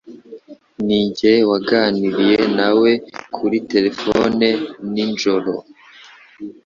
Ninjye waganiriye nawe kuri terefone ni njoro.